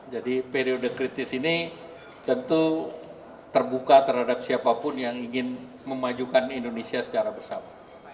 periode kritis ini tentu terbuka terhadap siapapun yang ingin memajukan indonesia secara bersama